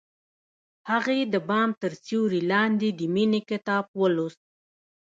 هغې د بام تر سیوري لاندې د مینې کتاب ولوست.